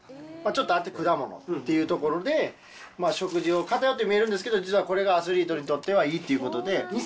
ちょっとあって果物というところで、食事を偏って見えるんですけど、実はこれがアスリートにとってはいいっていうことで。